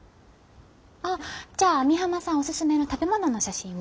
あっじゃあ網浜さんおすすめの食べ物の写真を。